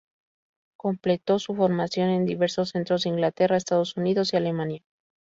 Completó su formación en diversos centros de Inglaterra, Estados Unidos y Alemania.